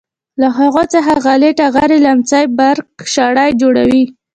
له هغو څخه غالۍ ټغرې لیمڅي برک شړۍ جوړوي.